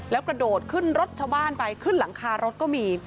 แล้วกระโดดขึ้นรถชาวบ้านไปขึ้นหลังคารถก็มี